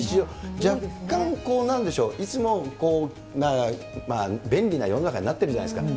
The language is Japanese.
若干こう、なんでしょう、いつも、便利な世の中になってるじゃないですか。